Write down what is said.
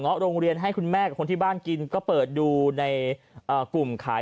โรงเรียนให้คุณแม่กับคนที่บ้านกินก็เปิดดูในกลุ่มขาย